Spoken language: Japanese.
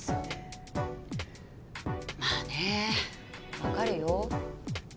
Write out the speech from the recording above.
まあねわかるよ。